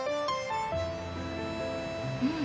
うん！